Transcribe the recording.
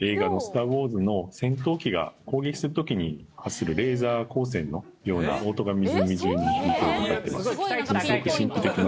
映画のスター・ウォーズの戦闘機が攻撃するときに発するレーザー光線のような音が湖じゅうに響き渡ってます。